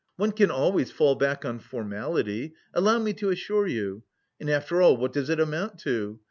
One can always fall back on formality, allow me to assure you. And after all, what does it amount to?